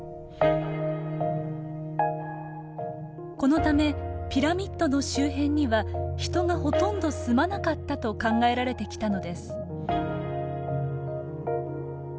このためピラミッドの周辺には人がほとんど住まなかったと考えられてきたのです。